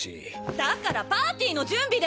だからパーティーの準備で！